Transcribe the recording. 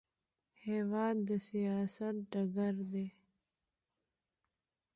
هېواد د سیاست ډګر دی.